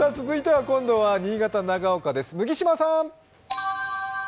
続いては今度は新潟・長岡です。